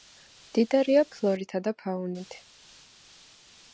მდიდარია ფლორითა და ფაუნით.